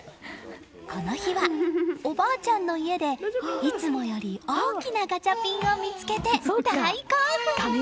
この日は、おばあちゃんの家でいつもより大きなガチャピンを見つけて大興奮！